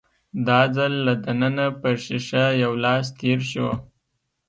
دا ځل له دننه پر ښيښه يو لاس تېر شو.